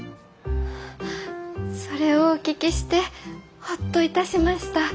それをお聞きしてほっと致しました。